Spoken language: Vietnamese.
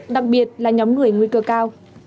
đặc biệt là nhóm người nguy cơ cao